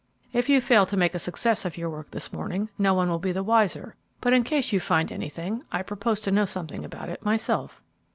If you fail to make a success of your work this morning no one will be the wiser, but in case you find anything I propose to know something about it myself."